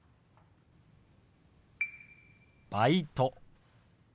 「バイト」。